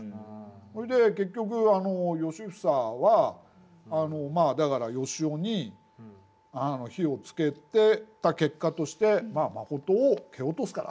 それで結局良房はだから善男に火をつけてた結果として信を蹴落とすからと。